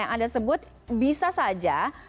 yang anda sebut bisa saja